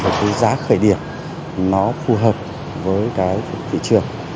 và cái giá khởi điểm nó phù hợp với cái thị trường